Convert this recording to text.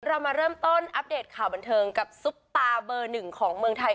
เรามาเริ่มต้นอัปเดตข่าวบันเทิงกับซุปตาเบอร์หนึ่งของเมืองไทย